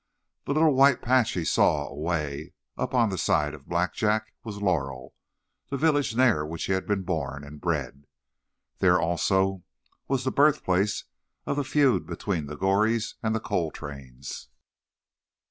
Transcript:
The little white patch he saw away up on the side of Blackjack was Laurel, the village near which he had been born and bred. There, also, was the birthplace of the feud between the Gorees and the Coltranes.